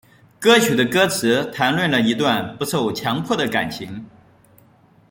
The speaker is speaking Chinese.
歌曲的歌词谈论了一段不受强迫的感情。